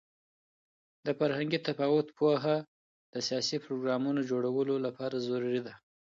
د فرهنګي تفاوت پوهه د سیاسي پروګرامونو جوړولو لپاره ضروري ده.